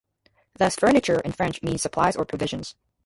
Thus "fourniture" in French means supplies or provisions.